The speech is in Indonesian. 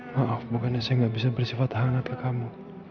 maaf makanya saya gak bisa bersifat hangat ke kamu